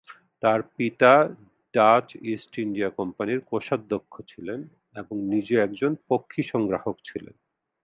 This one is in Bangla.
তার পিতা ডাচ ইস্ট ইন্ডিয়া কোম্পানীর কোষাধ্যক্ষ ছিলেন এবং নিজে একজন পক্ষী সংগ্রাহক ছিলেন।